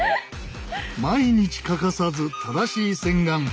毎日欠かさず正しい洗顔。